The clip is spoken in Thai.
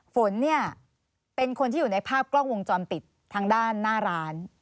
ฝนเนี่ยเป็นคนที่อยู่ในภาพกล้องวงจรปิดทางด้านหน้าร้าน